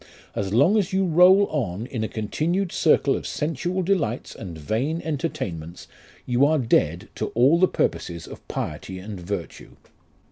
As long as you roll on in a continued circle of sensual delights and vain entertainments, you arc dead to all the purposes of piety and virtue.